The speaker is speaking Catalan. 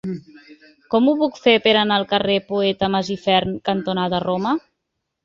Com ho puc fer per anar al carrer Poeta Masifern cantonada Roma?